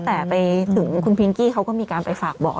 แต่ไปถึงคุณพิงกี้เขาก็มีการไปฝากบอก